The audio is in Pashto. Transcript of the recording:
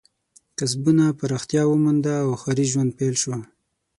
کسبونه پراختیا ومونده او ښاري ژوند پیل شو.